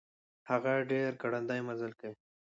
هغه ډير ګړندی مزل کوي.